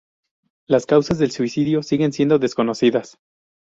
Las causas del suicido siguen siendo desconocidas.